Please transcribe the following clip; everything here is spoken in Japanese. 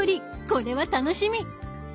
これは楽しみ！